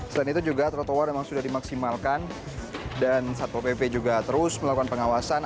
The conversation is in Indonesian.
selain itu juga trotoar memang sudah dimaksimalkan dan satpol pp juga terus melakukan pengawasan